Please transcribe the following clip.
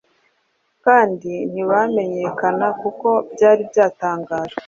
kandi ntibamenyekana, kuko byari byatangajwe